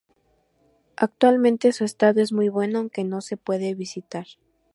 Actualmente su estado es muy bueno aunque no se puede visitar.